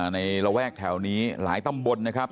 ในระแวกแถวนี้หลายตำบลนะครับ